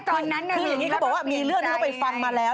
คืออย่างนี้เขาบอกว่ามีเรื่องที่เขาไปฟังมาแล้ว